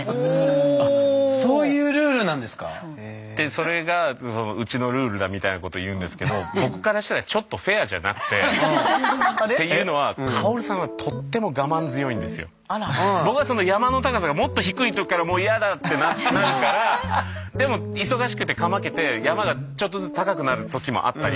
それがうちのルールだみたいなことを言うんですけど僕からしたらちょっとというのは薫さんはとっても僕は山の高さがもっと低いところから「もう嫌だ」ってなるからでも忙しくてかまけて山がちょっとずつ高くなる時もあったりして。